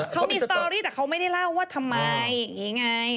เขามีสตอรี่แต่เขาไม่ได้เล่าว่าทำไมอย่างนี้ไง